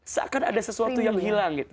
seakan ada sesuatu yang hilang gitu